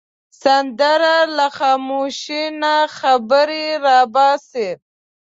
سندره له خاموشۍ نه خبرې را باسي